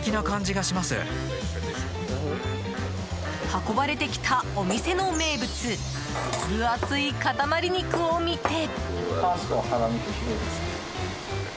運ばれてきたお店の名物分厚い塊肉を見て。